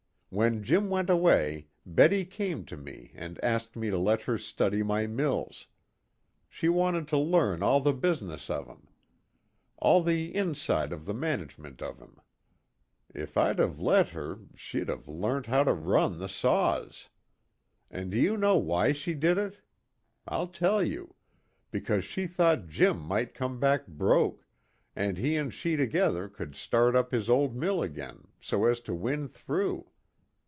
When Jim went away Betty came to me and asked me to let her study my mills. She wanted to learn all the business of 'em. All the inside of the management of 'em. If I'd have let her she'd have learnt how to run the saws. And do you know why she did it? I'll tell you. Because she thought Jim might come back broke, and he and she together could start up his old mill again, so as to win through.